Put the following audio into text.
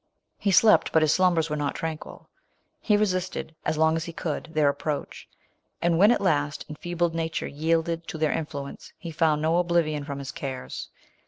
He slept. But his slumbers were not tranquil. He resisted, as long as he could, their approach ; and when, .at last, enfeebled nature yielded to their influence, he found no oblivion from his cares.